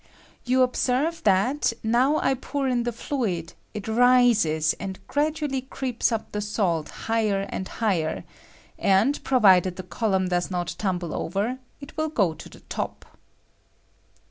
You observe that, now I pour in the flidd, it rises and gradually creeps up the salt higher and higher ; and provided the column does not tumble over, it will go to the top.